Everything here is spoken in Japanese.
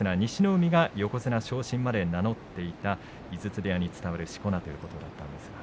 海が横綱昇進まで名乗っていた井筒部屋に伝わるしこ名ということだったんですが。